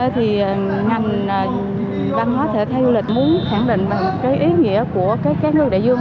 thì ngành văn hóa thể thay du lịch muốn khẳng định cái ý nghĩa của cái cá ngừ đại dương